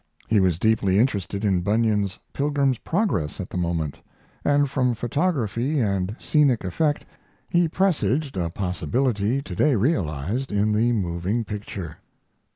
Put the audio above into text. He was deeply interested in Bunyan's Pilgrim's Progress at the moment, and from photography and scenic effect he presaged a possibility to day realized in the moving picture.